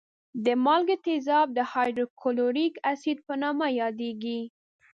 د مالګي تیزاب د هایدروکلوریک اسید په نامه یادېږي.